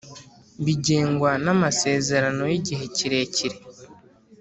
bigengwa namasezerano yigihe kirekire